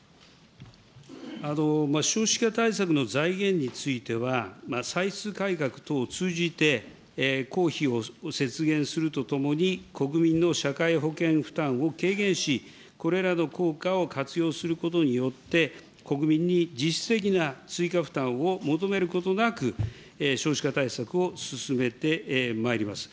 少子化対策の財源については、歳出改革等を通じて、公費を節減するとともに、国民の社会保険負担を軽減し、これらの効果を活用することによって、国民に実質的な追加負担を求めることなく、少子化対策を進めてまいります。